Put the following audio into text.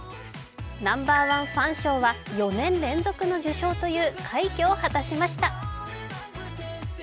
Ｎｏ．１ファン賞は４年連続の受賞という快挙を果たしました。